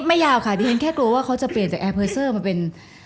ไม่ยาวค่ะดิฉันแค่กลัวว่าเขาจะเปลี่ยนจากแอร์เพอร์เซอร์มาเป็น